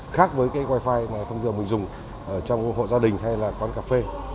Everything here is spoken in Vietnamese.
khác với cái wi fi mà thông thường mình dùng trong hộ gia đình hay là quán cà phê